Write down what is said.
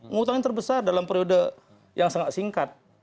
ngutang yang terbesar dalam periode yang sangat singkat